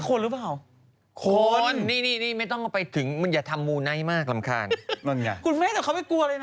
คุณเฟทเขาไม่กลัวเลยนะ